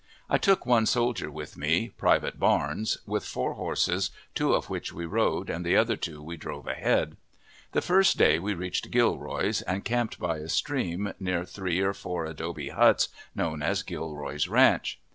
I took one soldier with me, Private Barnes, with four horses, two of which we rode, and the other two we drove ahead. The first day we reached Gilroy's and camped by a stream near three or four adobe huts known as Gilroy's ranch.